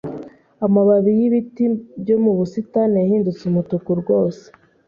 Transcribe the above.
Amababi yibiti byo mu busitani yahindutse umutuku rwose.